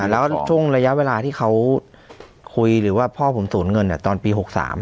แล้วช่วงระยะเวลาที่เขาคุยหรือว่าพ่อผมสูญเงินตอนปี๖๓